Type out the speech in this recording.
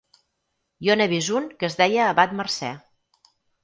Jo n'he vist un que es deia Abat Mercè.